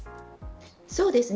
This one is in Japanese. そうですね。